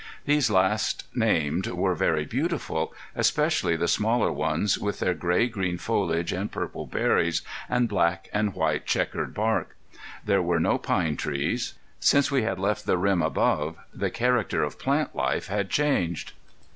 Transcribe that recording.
These last named were very beautiful, especially the smaller ones, with their gray green foliage, and purple berries, and black and white checkered bark. There were no pine trees. Since we had left the rim above the character of plant life had changed.